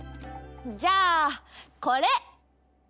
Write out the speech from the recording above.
じゃあこれ。